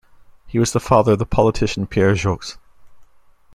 He was the father of the politician Pierre Joxe.